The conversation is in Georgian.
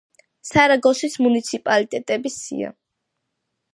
სარაგოსის მუნიციპალიტეტების სია.